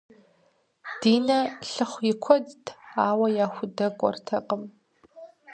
Динэ лъыхъу и куэдт, ауэ яхудэкӏуэртэкъым.